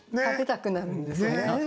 食べたくなるんですよね。